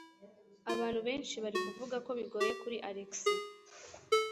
Abantu benshi bari kuvuga ko bigoye kuri Alex.